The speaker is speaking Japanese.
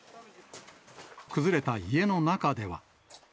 崩れた家の中では。